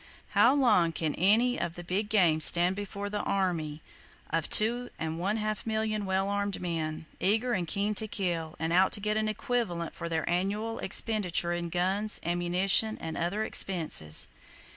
How long can any of the big game stand before the army of two and one half million well armed men, eager and keen to kill, and out to get an equivalent for their annual expenditure in guns, ammunition and other expenses?